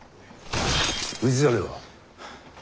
氏真は？